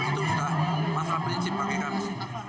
itu sudah masalah prinsip bagi kami